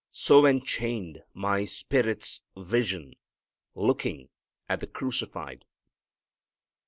So enchained my spirit's vision, Looking at the Crucified."